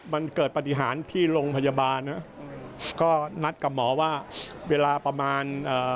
มันเกิดปฏิหารที่โรงพยาบาลนะก็นัดกับหมอว่าเวลาประมาณเอ่อ